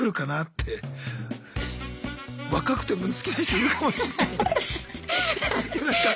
若くても好きな人いるかもしんないのに。